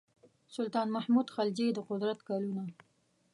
سلطان محمود خلجي د قدرت کلونه.